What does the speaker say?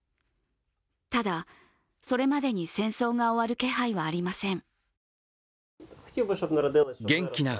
ただ、それまでに戦争が終わる気配はありません。